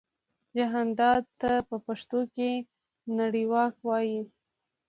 جهاندار ته په پښتو کې نړیواک وايي.